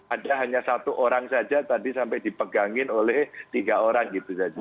ada hanya satu orang saja tadi sampai dipegangin oleh tiga orang gitu saja